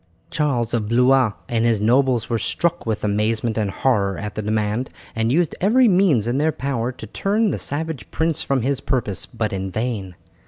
Charles of Blois and his nobles were struck with amazement and horror at the demand, and used every means in their power to turn the savage prince from his purpose, but in vain.